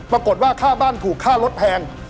ปรากฏว่าค่าบ้านถูกค่ารถแพง